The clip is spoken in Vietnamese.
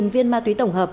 hai viên ma túy tổng hợp